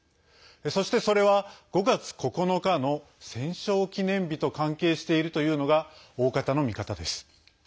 そして、それは５月９日の戦勝記念日と関係しているというのがおおかたの見方です。